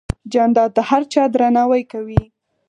جانداد د هر چا درناوی کوي.